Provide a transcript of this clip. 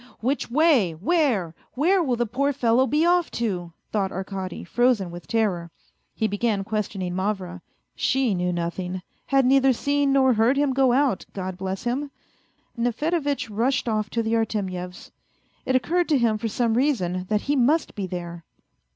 " Which way ? Where ? Where will the poor fellow be off too ?" thought Arkady, frozen with terror. He began questioning Mavra. She knew nothing, had neither seen nor heard him go out, God bless him ! Nefedevitch rushed off to the Artemyevs'. It occurred to him for some reason that he must be there.